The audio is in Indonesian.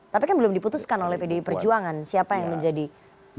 tapi kan belum diputuskan oleh pdi perjuangan siapa yang menjadi capres